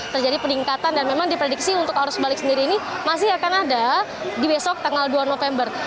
terjadi peningkatan dan memang diprediksi untuk arus balik sendiri ini masih akan ada di besok tanggal dua november